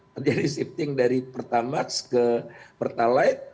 terjadi shifting dari pertamax ke pertalite